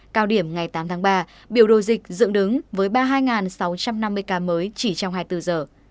cao điểm ngày tám tháng ba biểu đồ dịch dựng đứng với ba mươi hai sáu trăm năm mươi ca mới chỉ trong hai mươi bốn giờ